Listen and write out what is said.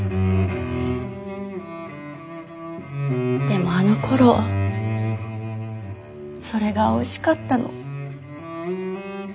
でもあのころそれがおいしかったの。